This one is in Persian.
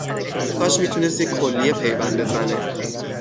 کاش می تونست یه کلیه پیوند بزنه